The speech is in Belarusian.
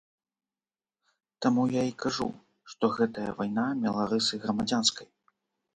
Таму я і кажу, што гэтая вайна мела рысы грамадзянскай.